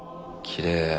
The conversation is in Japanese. きれい。